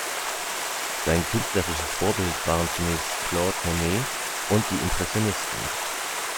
Sein künstlerisches Vorbild waren zunächst Claude Monet und die Impressionisten.